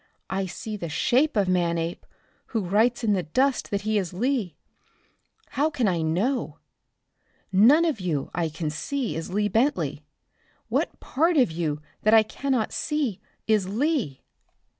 I see the shape of Manape, who writes in the dust that he is Lee. How can I know? None of you I can see is Lee Bentley. What part of you that I cannot see is Lee?"